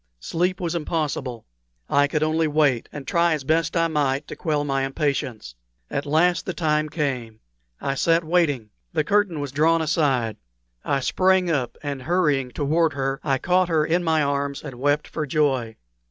Sleep was impossible. I could only wait, and try as best I might to quell my impatience. At last the time came. I sat waiting. The curtain was drawn aside. I sprang up, and, hurrying toward her, I caught her in my arms and wept for joy.